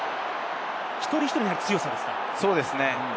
一人一人の強さですか。